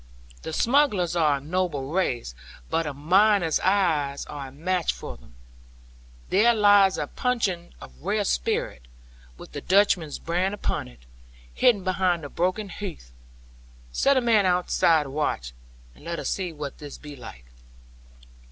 The smugglers are a noble race; but a miner's eyes are a match for them. There lies a puncheon of rare spirit, with the Dutchman's brand upon it, hidden behind the broken hearth. Set a man to watch outside; and let us see what this be like.'